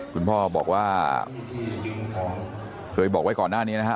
คุณพ่อบอกว่าเคยบอกไว้ก่อนหน้านี้นะฮะ